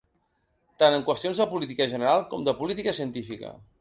Tant en qüestions de política general com de política científica.